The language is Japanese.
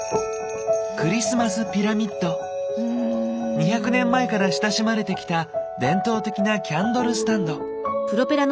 ２００年前から親しまれてきた伝統的なキャンドルスタンド。